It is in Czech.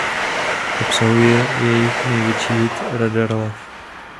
Obsahuje jejich největší hit "Radar Love".